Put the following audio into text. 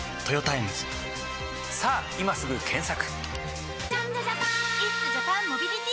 さぁ今すぐ検索！